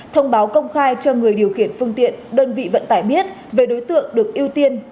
thông báo công khai cho người điều khiển phương tiện đơn vị vận tải biết về đối tượng được ưu tiên